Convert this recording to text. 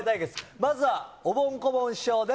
まずはおぼん・こぼん師匠です。